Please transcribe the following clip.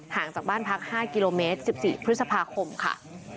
จากบ้านพัก๕กิโลเมตร๑๔พฤษภาคมค่ะ